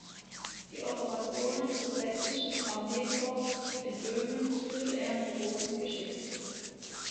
Die Operationen des sächsischen Armeekorps in Böhmen führte er mit großem Geschick.